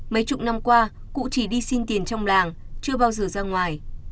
mấy chục năm qua cụ chỉ đi xin tiền trong làng chưa bao giờ ra ngoài